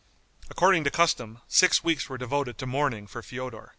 According to custom, six weeks were devoted to mourning for Feodor.